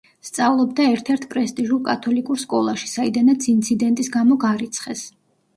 სწავლობდა ერთ-ერთ პრესტიჟულ კათოლიკურ სკოლაში, საიდანაც ინციდენტის გამო გარიცხეს.